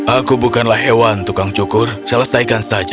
aku bukanlah hewan tukang cukur selesaikan saja